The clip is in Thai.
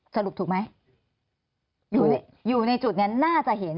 สรุปถูกไหมอยู่ในจุดนี้น่าจะเห็น